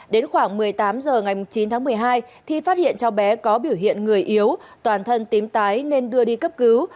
đến khoảng một mươi tám h ngày chín tháng một mươi hai thi phát hiện cháu bé có biểu hiện người yếu toàn thân tím tái nên đưa đi cấp cứu